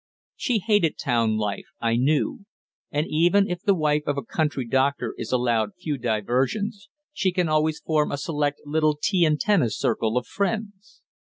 She hated town life, I knew; and even if the wife of a country doctor is allowed few diversions, she can always form a select little tea and tennis circle of friends.